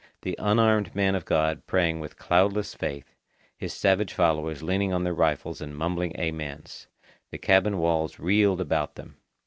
the unarmed man of God praying with cloudless faith, his savage followers leaning on their rifles and mumbling amens. The cabin walls reeled about them.